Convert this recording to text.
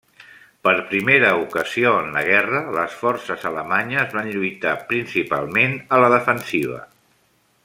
Per primera ocasió en la guerra, les forces alemanyes van lluitar principalment a la defensiva.